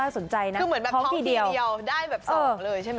สนใจนะคือเหมือนแบบท้องพี่เดียวได้แบบสองเลย